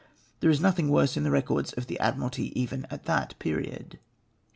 There is nothing worse m the records of the Admiralty even at tliat period.